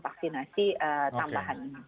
vaksinasi tambahan ini